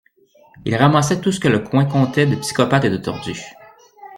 ils ramassaient tout ce que le coin comptait de psychopathes et de tordus.